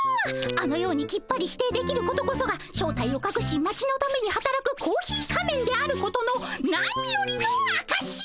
あのようにきっぱり否定できることこそが正体をかくし町のためにはたらくコーヒー仮面であることの何よりのあかし！